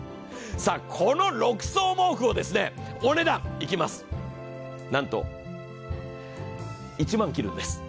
この６層毛布をお値段、なんと１万切るんです。